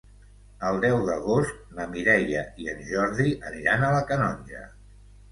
El deu d'agost na Mireia i en Jordi aniran a la Canonja.